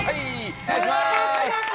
お願いします。